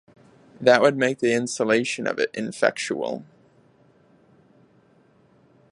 That would make the insulation of it ineffectual.